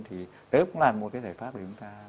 thì đấy cũng là một cái giải pháp để chúng ta